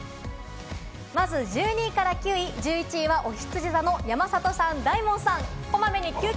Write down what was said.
まず１２位から９位、１１位はおひつじ座の山里さん、大門さん。